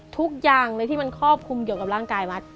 ทุกอย่างเลยที่มันครอบคลุมเกี่ยวกับร่างกายมัด